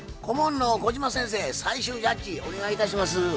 顧問の小島先生最終ジャッジお願いいたします。